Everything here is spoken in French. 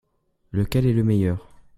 Lequel est le meilleur ?